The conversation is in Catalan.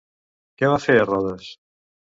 Què va fer a Rodes?